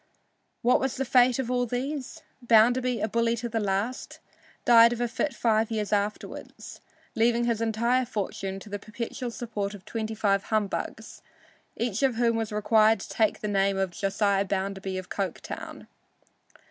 What was the fate of all these? Bounderby, a bully to the last, died of a fit five years afterward, leaving his entire fortune to the perpetual support of twenty five humbugs, each of whom was required to take the name of "Josiah Bounderby of Coketown."